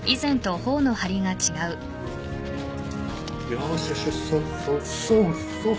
よしよしそうそうそう。